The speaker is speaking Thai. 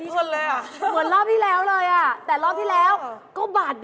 เกมเลยตอบผิด